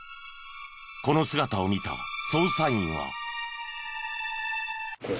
この姿を見た捜査員は。